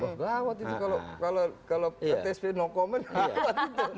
wah waktu itu kalau ptsp no comment apa itu